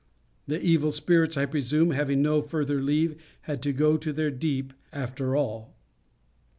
The evil spirits, I presume, having no further leave, had to go to their deep after all.